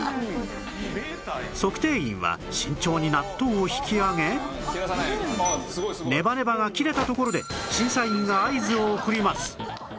測定員は慎重に納豆を引き上げネバネバが切れたところで審査員が合図を送ります